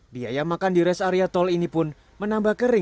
biaya makan di rest area tol ini pun menambah kering